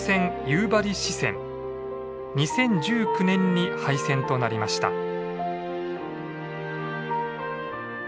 ２０１９年に廃線となりました。